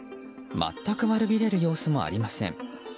全く悪びれる様子もありません。